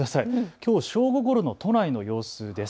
きょう正午ごろの都内の様子です。